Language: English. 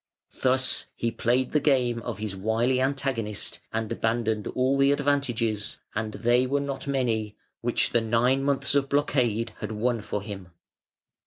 Thus he played the game of his wily antagonist, and abandoned all the advantages and they were not many which the nine months of blockade had won for him.